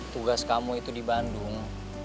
tugas kamu itu di bandung